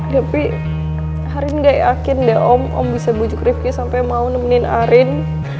tapi arin gak yakin deh om om bisa bujuk rifque sampai mau nemenin arin